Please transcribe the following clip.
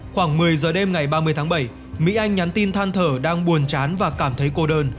khoảng một mươi giờ đêm ngày ba mươi tháng bảy mỹ anh nhắn tin than thở đang buồn chán và cảm thấy cô đơn